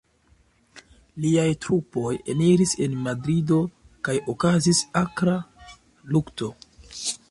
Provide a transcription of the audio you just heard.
Liaj trupoj eniris en Madrido kaj okazis akra lukto.